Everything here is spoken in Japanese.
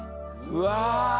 うわ。